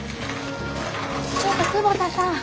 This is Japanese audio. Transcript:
ちょっと久保田さん。